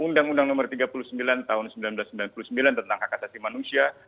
undang undang nomor tiga puluh sembilan tahun seribu sembilan ratus sembilan puluh sembilan tentang hak asasi manusia